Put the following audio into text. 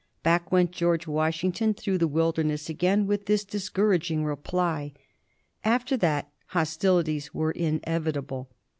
Back went George Washington through the wilderness again with this discouraging reply. After that hostilities were inevitable.